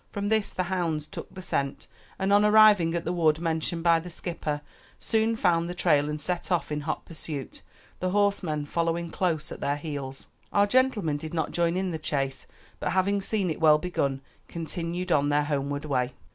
From this the hounds took the scent, and on arriving at the wood mentioned by the skipper, soon found the trail and set off in hot pursuit, the horsemen following close at their heels. Our gentlemen did not join in the chase, but having seen it well begun, continued on their homeward way.